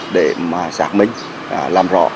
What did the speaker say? để mà sạc minh làm rõ